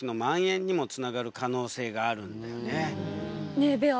ねえベア。